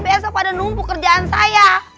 besok pada nunggu kerjaan saya